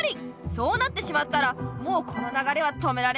そうなってしまったらもうこのながれは止められないよ。